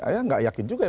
ya nggak yakin juga ya